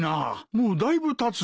もうだいぶたつぞ。